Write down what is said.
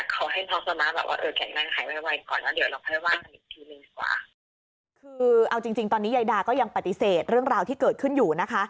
คือเอาจริงจริงตอนนี้ยายดาก็ยังปฏิเสธเรื่องราวที่เกิดขึ้นอยู่นะคะ